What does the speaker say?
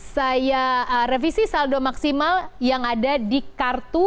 saya revisi saldo maksimal yang ada di kartu